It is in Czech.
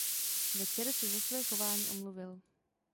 Večer se za své chování omluvil.